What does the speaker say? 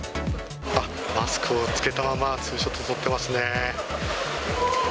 マスクを着けたままツーショット撮ってますね。